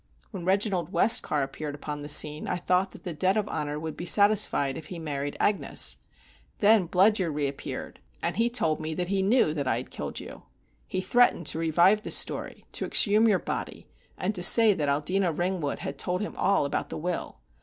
When Reginald Westcar appeared upon the scene I thought that the debt of honor would be satisfied if he married Agnes. Then Bludyer reappeared, and he told me that he knew that I had killed you. He threatened to revive the story, to exhume your body, and to say that Aldina Ringwood had told him all about the will.